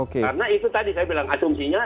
karena itu tadi saya bilang asumsinya